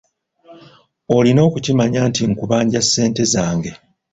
Olina okukimanya nti nkubanja ssente zange.